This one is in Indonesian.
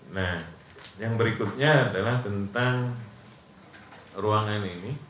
nah yang berikutnya adalah tentang ruangan ini